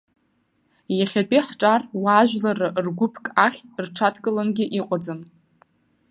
Иахьатәи ҳҿар уаажәларра ргәыԥк ахь рҽадкылангьы иҟаӡам.